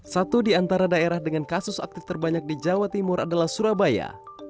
satu di antara daerah dengan kasus aktif terbanyak di jawa timur adalah surabaya